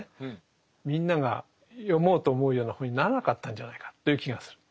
みんなが読もうと思うような本にならなかったんじゃないかという気がする。